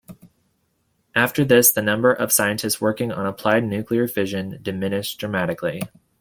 After this, the number of scientists working on applied nuclear fission diminished dramatically.